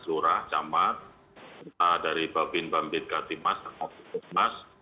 seluruh jamat dari bapin bambin katimas dan ops